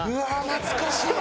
懐かしい。